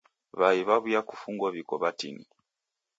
W'ai w'aw'iakufungua w'iko w'atini.